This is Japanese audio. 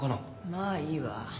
まあいいわ。